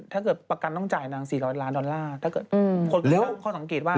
ถ้าเกิดประกันต้องจ่ายนาง๔๐๐ล้านดอลลาร์ถ้าเกิดคนเลี้ยข้อสังเกตว่า